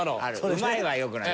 「うまい」はよくない。